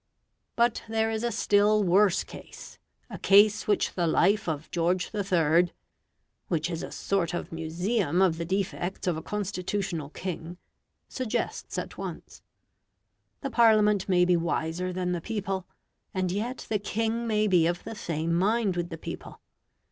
But there is a still worse case, a case which the life of George III. which is a sort of museum of the defects of a constitutional king suggests at once. The Parliament may be wiser than the people, and yet the king may be of the same mind with the people.